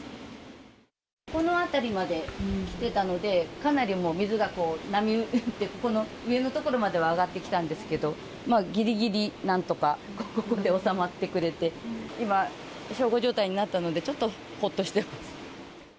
この辺りまで来てたので、かなりもう、水がこう波打って、ここの上の所までは上がってきたんですけど、ぎりぎりなんとか、ここで収まってくれて、今、小康状態になったので、ちょっとほっとしてます。